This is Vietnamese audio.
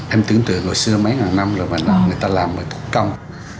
em tưởng tượng ở xưa mấy ngàn năm rồi mà người ta làm người ta công